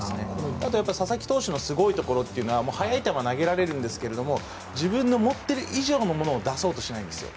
ただ、佐々木投手のすごいところというのは速い球を投げられるんですが自分の持っているもの以上のものを出そうとしないんですよ。